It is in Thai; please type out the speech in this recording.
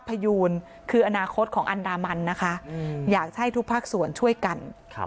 พยูนคืออนาคตของอันดามันนะคะอยากจะให้ทุกภาคส่วนช่วยกัน